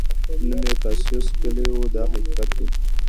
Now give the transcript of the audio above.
نوم یې کاسیوس کلي و دا حقیقت دی.